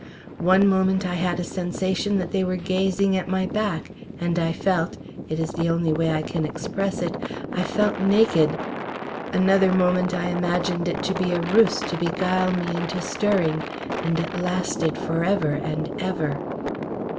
One moment I had a sensation that they were gazing at my back, and I felt it is the only way I can express it I felt naked. Another moment I imagined it to be a ruse to beguile me into stirring; and it lasted for ever and ever.